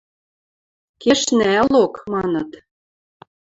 – Кешнӓ, ӓлок, – маныт.